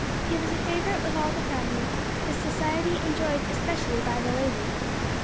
He was a favorite with all the family; his society enjoyed especially by the ladies.